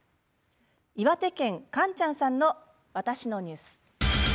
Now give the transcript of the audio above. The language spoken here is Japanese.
岩手県、かんちゃんさんの「わたしのニュース」。